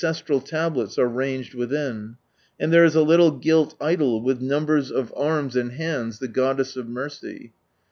In tral (ablets are ranged within ; and there is a little gilt idol with numbers of arms and hands, the goddess of mercy.